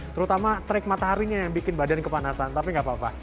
terutama trik mataharinya yang bikin badan kepanasan tapi gak apa apa